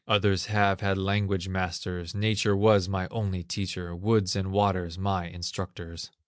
Others have had language masters, Nature was my only teacher, Woods and waters my instructors.